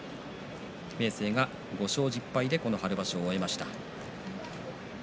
明生は５勝１０敗でこの春場所を終えました。